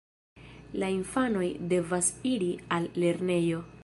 La infanoj devas iri al lernejo.